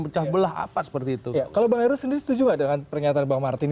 kalau bang eru sendiri setuju gak dengan pernyataan bang martin